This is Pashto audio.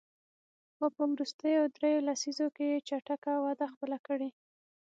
خو په وروستیو دریوو لسیزو کې یې چټکه وده خپله کړې.